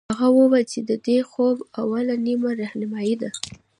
هغه وويل چې د دې خوب اوله نيمه رحماني ده.